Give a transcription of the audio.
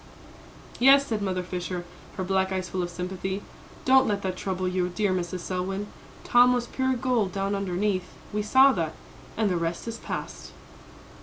"Yes," said Mother Fisher, her black eyes full of sympathy; "don't let that trouble you, dear Mrs. Selwyn; Tom was pure gold down underneath we saw that and the rest is past."